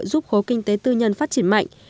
giúp khối kinh tế tư nhân phát triển mạnh